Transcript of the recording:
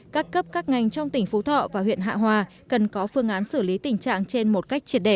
các cấp các ngành trong tỉnh phú thọ và huyện hạ hòa cần có phương án xử lý tình trạng trên một cách triệt đề